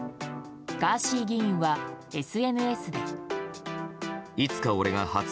ガーシー議員はＳＮＳで。